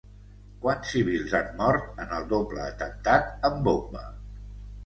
Quants civils han mort en el doble atemptat amb bomba?